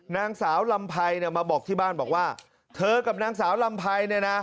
นางสาวลำไพมาบอกที่บ้านบอกว่าเธอกับนางสาวลำไพ